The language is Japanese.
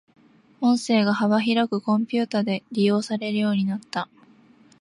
音声が幅広くコンピュータで利用されるようになった。